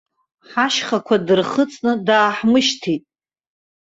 Ҳашьхақәа дырхыҵны дааҳмышьҭит.